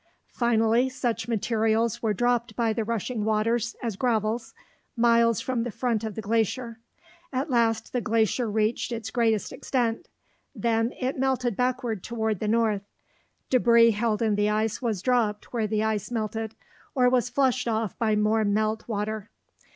Finally, such materials were dropped by the rushing waters as gravels, miles from the front of the glacier. At last the glacier reached its greatest extent; then it melted backward toward the north. Debris held in the ice was dropped where the ice melted, or was flushed off by more melt water.